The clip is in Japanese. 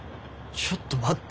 ちょっと待って。